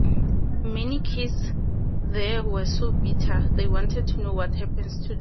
Many kids there were so bitter, they wanted to know what happened to them.